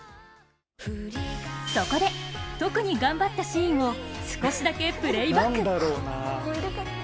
そこで、特に頑張ったシーンを少しだけプレーバック。